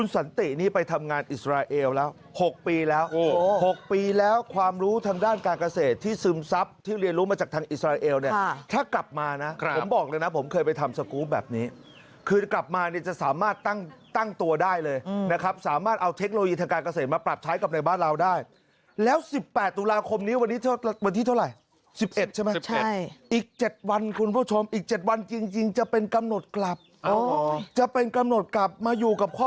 ส่งให้ภรรยาของเขาดู